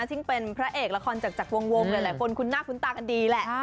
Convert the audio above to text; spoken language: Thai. ซึ่งเป็นพระเอกละครจากวงหลายคนคุ้นหน้าคุ้นตากันดีแหละ